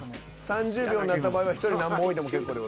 ３０秒になった場合は１人何本置いても結構です。